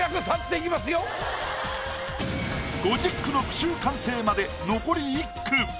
⁉５０句の句集完成まで残り１句。